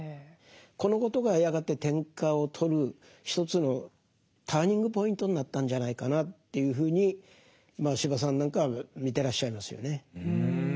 このことがやがて天下を取る一つのターニングポイントになったんじゃないかなというふうに司馬さんなんかは見てらっしゃいますよね。